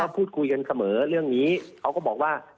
พูดคุยกันเสมอเรื่องนี้เขาก็บอกว่า